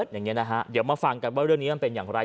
อย่างนี้นะฮะเดี๋ยวมาฟังกันว่าเรื่องนี้มันเป็นอย่างไร